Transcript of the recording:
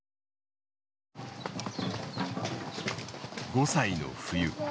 ５歳の冬。